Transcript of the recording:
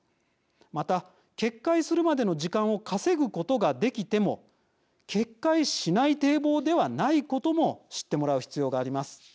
また、決壊するまでの時間を稼ぐことができても決壊しない堤防ではないことも知ってもらう必要があります。